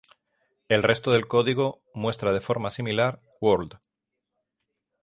El resto del código muestra de forma similar "World!